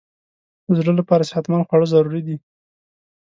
د زړه لپاره صحتمند خواړه ضروري دي.